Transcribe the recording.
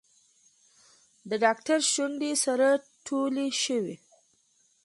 د ډاکتر شونډې سره ټولې شوې.